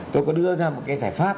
tôi có đưa ra một cái giải pháp